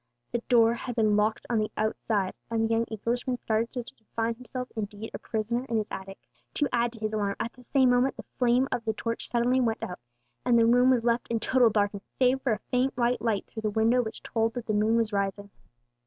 The door had been locked on the outside, and the young Englishman started to find himself indeed a prisoner in his attic. To add to his alarm, at the same moment the flame of the torch suddenly went out, and the room was left in total darkness, save for a faint white light through the window which told that the moon was rising.